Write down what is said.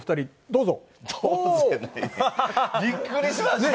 どうぞ。